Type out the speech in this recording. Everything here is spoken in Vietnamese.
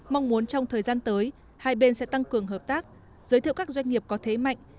mong muốn trong thời gian tới hai bên sẽ tăng cường hợp tác giới thiệu các doanh nghiệp có thế mạnh